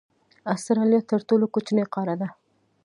استرالیا تر ټولو کوچنۍ قاره ده.